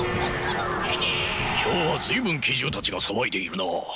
今日は随分奇獣たちが騒いでいるな。